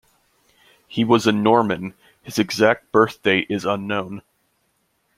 He was a Norman; his exact birth date is unknown.